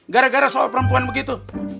gara gara soal perempuan begitu